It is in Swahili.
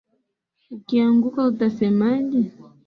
Ukianguka utasemaje.